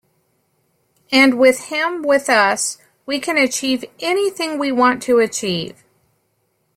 And with him with us we can achieve anything we want to achieve.